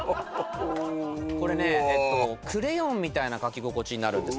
これねクレヨンみたいな書き心地になるんです